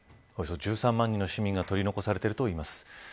およそ１３万人の市民が取り残されているといいます。